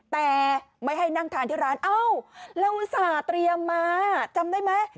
แต่ไม่ให้นั่งทานที่ร้านอ้าวเรารักฐานเรียนมาจำได้ไหม